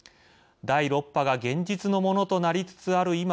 第６波が現実のものとなりつつある